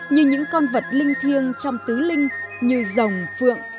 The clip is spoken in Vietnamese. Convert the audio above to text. như những con vật linh thiêng trong tứ linh như rồng phượng